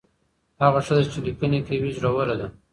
هغه ښځه چې لیکنې کوي زړوره ده.